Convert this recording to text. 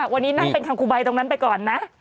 วันนี้นั่งเป็นคังคูใบตรงนั้นไปก่อนนะ